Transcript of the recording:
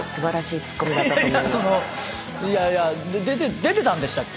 いやいや出てたんでしたっけ？